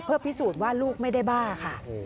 เพื่อพิสูจน์ว่าลูกไม่ได้บ้าค่ะ